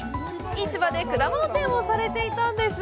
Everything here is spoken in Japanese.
市場で果物店をされていたんです。